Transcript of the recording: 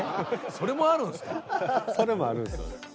それもあるんですよね。